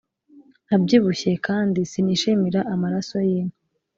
abyibushye, kandi sinishimira amaraso y’inka